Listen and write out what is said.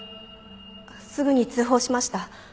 すぐに通報しました。